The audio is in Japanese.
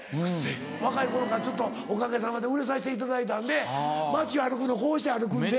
若い頃からちょっとおかげさまで売れさしていただいたんで街歩くのこうして歩くんで。